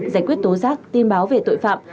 giải quyết tố giác tin báo về tội phạm